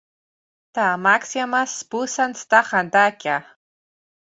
τ' αμάξια μας σπούσαν στα χαντάκια.